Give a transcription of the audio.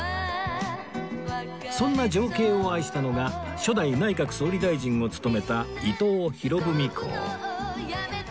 そんな情景を愛したのが初代内閣総理大臣を務めた伊藤博文公